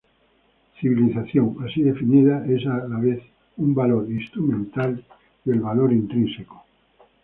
Civilización, así definida, es a la vez un valor instrumental y el valor intrínseco.